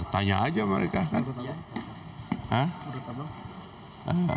tanya aja mereka kan